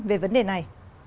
về vấn đề này